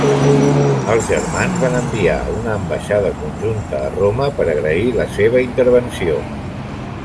Els germans van enviar una ambaixada conjunta a Roma per agrair la seva intervenció.